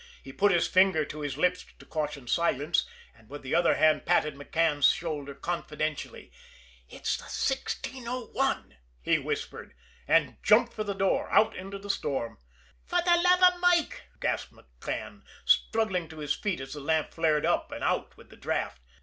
He put his finger to his lips to caution silence, and with the other hand patted McCann's shoulder confidentially. "It's the 1601!" he whispered and jumped for the door out into the storm. "For the love av Mike!" gasped McCann, staggering to his feet as the lamp flared up and out with the draft.